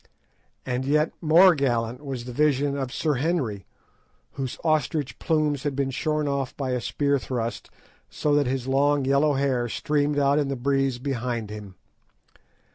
And yet more gallant was the vision of Sir Henry, whose ostrich plumes had been shorn off by a spear thrust, so that his long yellow hair streamed out in the breeze behind him.